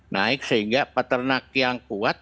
naik sehingga peternak yang kuat